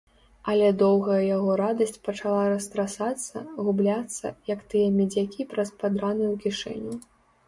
Але доўгая яго радасць пачала растрасацца, губляцца, як тыя медзякі праз падраную кішэню.